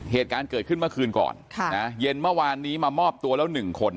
เหตุการณ์เกิดขึ้นเมื่อคืนก่อนเย็นเมื่อวานนี้มามอบตัวแล้ว๑คน